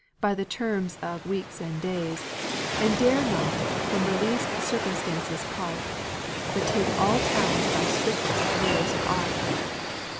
by the terms of weeks and days, And dare not from least circumstances part, But take all towns by strictest rules of art.